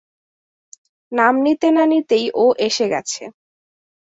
নাম নিতে না নিতেই ও এসে গেছে।